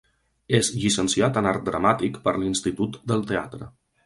És llicenciat en art dramàtic per l'Institut del Teatre.